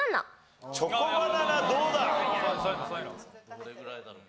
どれぐらいだろう？